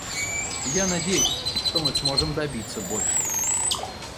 Я надеюсь, что мы сможем добиться большего.